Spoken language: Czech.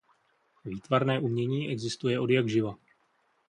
Výtvarné umění existuje odjakživa.